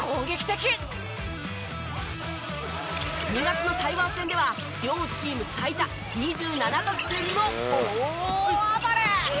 ２月の台湾戦では両チーム最多２７得点の大暴れ！